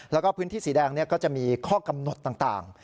แล้วก็พื้นที่สีแดงก็จะมีข้อกำหนดต่าง